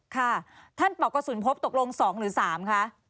ค่ะท่านปอกกระสุนพบตกลง๒หรือ๓คะ